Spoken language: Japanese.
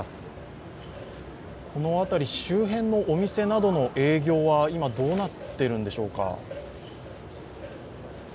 このあたり、周辺のお店などの営業は今どうなっているんでしょうか。